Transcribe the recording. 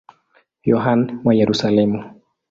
Yohane wa Yerusalemu.